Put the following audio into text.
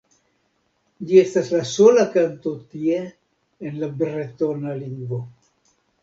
Ĝi estas la sola kanto tie en la bretona lingvo.